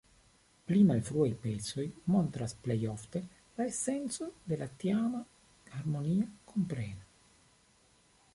Pli malfruaj pecoj montras plej ofte la esencon de la tiama harmonia kompreno.